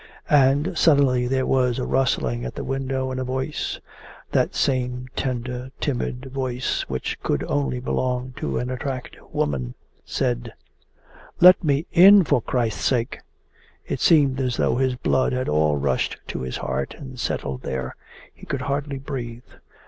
And suddenly there was a rustling at the window and a voice that same tender, timid voice, which could only belong to an attractive woman said: 'Let me in, for Christ's sake!' It seemed as though his blood had all rushed to his heart and settled there. He could hardly breathe.